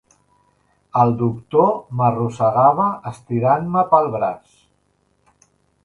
El doctor m'arrossegava estirant-me pel braç